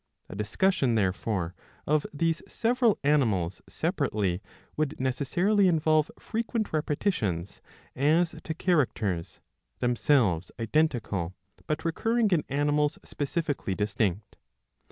A discussion therefore of these several animals separately would necessarily involve frequent repetitions as to characters, themselves identical, but recurring in animals speci fically distinct.